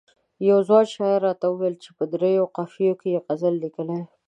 یوه ځوان شاعر راته وویل په دریو قافیو کې یې غزل لیکلی.